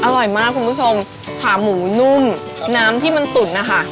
อร่อยมากคุณผู้ชมขาหมูนุ่มน้ำที่มันตุ๋นนะคะ